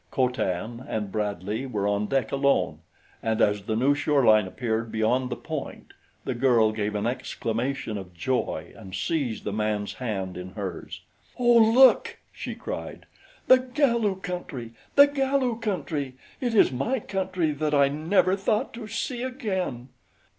Co Tan and Bradley were on deck alone, and as the new shoreline appeared beyond the point, the girl gave an exclamation of joy and seized the man's hand in hers. "Oh, look!" she cried. "The Galu country! The Galu country! It is my country that I never thought to see again."